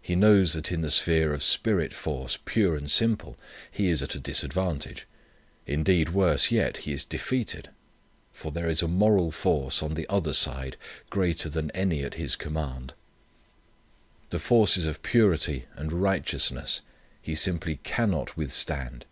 He knows that in the sphere of spirit force pure and simple he is at a disadvantage: indeed, worse yet, he is defeated. For there is a moral force on the other side greater than any at his command. The forces of purity and righteousness he simply _can_not withstand.